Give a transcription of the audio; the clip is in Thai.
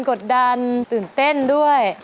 กดดันตื่นเต้นด้วย